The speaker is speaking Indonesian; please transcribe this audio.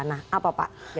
nah apa pak